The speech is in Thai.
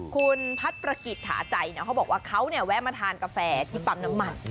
คุณพัดประกิจถาใจเขาบอกว่าเขาแวะมาทานกาแฟที่ปั๊มน้ำมัน